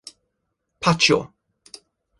paĉjo